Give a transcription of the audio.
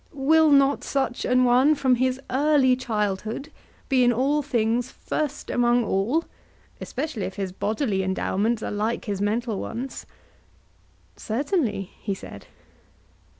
Will not such an one from his early childhood be in all things first among all, especially if his bodily endowments are like his mental ones? Certainly, he said.